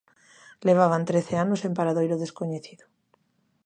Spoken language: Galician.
Levaban trece anos en paradoiro descoñecido.